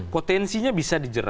potensinya bisa dijerat